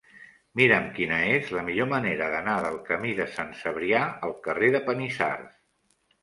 Mira'm quina és la millor manera d'anar del camí de Sant Cebrià al carrer de Panissars.